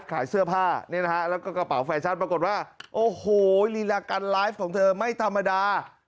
ขายเสื้อผ้าเนี่ยนะฮะแล้วก็กระเป๋าแฟชั่นปรากฏว่าโอ้โหลีลาการไลฟ์ของเธอไม่ธรรมดา